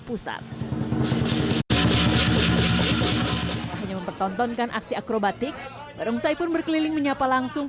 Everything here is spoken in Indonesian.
pusat hanya mempertontonkan aksi akrobatik barongsai pun berkeliling menyapa langsung